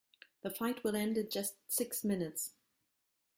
The fight will end in just six minutes.